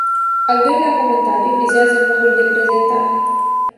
Al doilea comentariu vizează modul de prezentare.